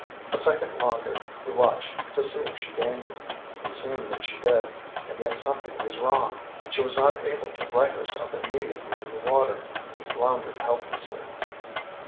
A second longer he watched, to see if she gained it. It seemed that she did, and yet something was wrong. She was not able to right herself immediately in the water, but floundered helplessly.